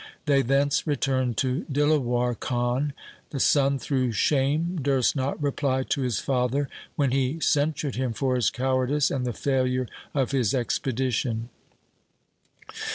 They thence returned to Dilawar Khan. The son through shame durst not reply to his father when he censured him for his cowardice and the failure of his expedition.